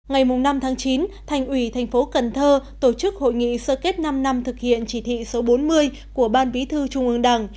ngày năm chín thành ủy thành phố cần thơ tổ chức hội nghị sơ kết năm năm thực hiện chỉ thị số bốn mươi của ban bí thư trung ương đảng